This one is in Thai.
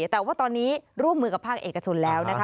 แต่ว่าตอนนี้ร่วมมือกับภาคเอกชนแล้วนะคะ